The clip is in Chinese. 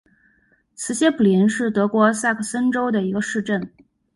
茨歇普林是德国萨克森州的一个市镇。